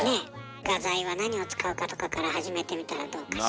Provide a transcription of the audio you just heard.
画材は何を使うかとかから始めてみたらどうかしら？